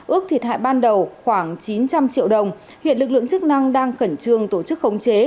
ước thiệt hại ban đầu khoảng chín trăm linh triệu đồng hiện lực lượng chức năng đang khẩn trương tổ chức khống chế